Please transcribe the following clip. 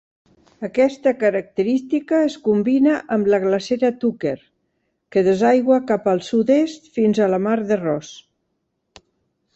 Aquesta característica es combina amb la glacera Tucker, que desaigua cap al sud-est fins a la mar de Ross.